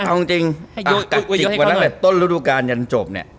เอาจริงอยากกับจิกวันนั้นต้นรูดุการณ์ยันโจมเนี่ย